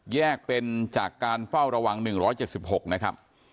แยกเป็นจากการเฝ้าระวัง๑๗๖นะครับ